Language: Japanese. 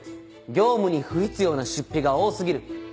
業務に不必要な出費が多過ぎる。